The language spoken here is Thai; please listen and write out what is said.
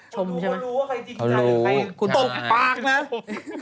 คนดูก็รู้ว่าใครจีกใครใครตกปากนะ